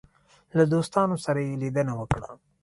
له دوستانو سره یې لیدنه وکړه.